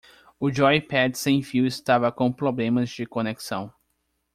O joypad sem fio estava com problemas de conexão.